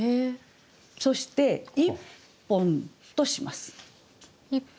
そして「一本」とします。